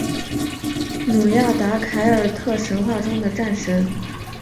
努亚达凯尔特神话中的战神。